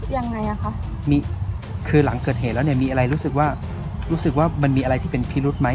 ยังไงอ่ะคะคือหลังเกิดเหตุแล้วเนี่ยมีอะไรรู้สึกว่ามันมีอะไรที่เป็นพิรุษไหม